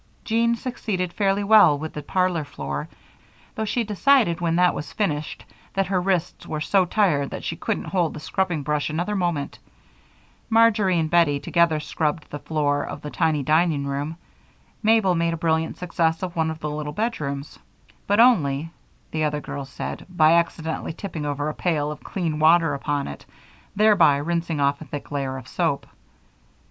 Jean succeeded fairly well with the parlor floor, though she declared when that was finished that her wrists were so tired that she couldn't hold the scrubbing brush another moment. Marjory and Bettie together scrubbed the floor of the tiny dining room. Mabel made a brilliant success of one of the little bedrooms, but only, the other girls said, by accidentally tipping over a pail of clean water upon it, thereby rinsing off a thick layer of soap.